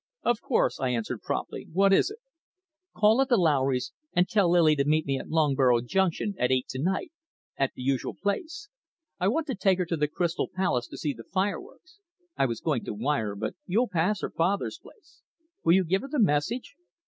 "Of course," I answered promptly. "What is it?" "Call at the Lowrys and tell Lily to meet me at Loughborough Junction at eight to night, at the usual place. I want to take her to the Crystal Palace to see the fireworks. I was going to wire, but you'll pass her father's place. Will you give her the message?"